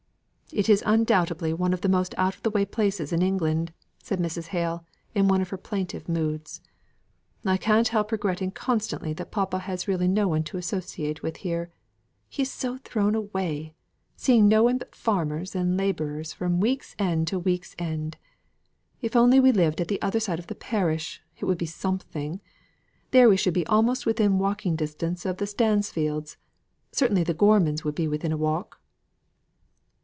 "It is undoubtedly one of the most out of the way places in England," said Mrs. Hale, in one of her plaintive moods. "I can't help regretting constantly that papa has really no one to associate with here; he is so thrown away; seeing no one but farmers and labourers from week's end to week's end. If we only lived at the other side of the parish, it would be something; there we should be almost within walking distance of the Stansfields; certainly the Gormons would be within a walk."